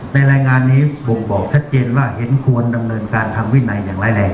รายงานนี้บ่งบอกชัดเจนว่าเห็นควรดำเนินการทางวินัยอย่างร้ายแรง